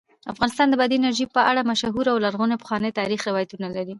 افغانستان د بادي انرژي په اړه مشهور او لرغوني پخواني تاریخی روایتونه لري.